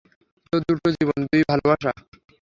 তো, দুটা জীবন, দুই ভালবাসা।